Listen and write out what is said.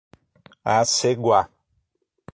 Aceguá